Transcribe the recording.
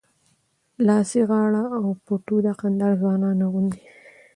لاسي غاړه او پټو د کندهار ځوانان اغوندي.